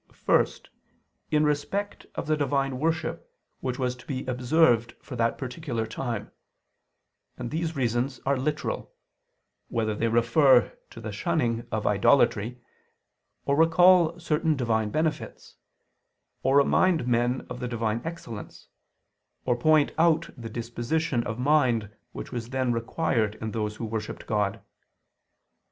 First, in respect of the Divine worship which was to be observed for that particular time: and these reasons are literal: whether they refer to the shunning of idolatry; or recall certain Divine benefits; or remind men of the Divine excellence; or point out the disposition of mind which was then required in those who worshipped God.